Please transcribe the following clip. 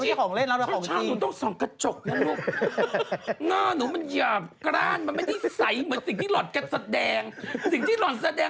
ใช่ต้องป้องกันตัวบางทียืนอยู่บางทีอ่ะสวย